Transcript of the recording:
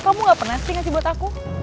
kamu gak pernah singgah sih buat aku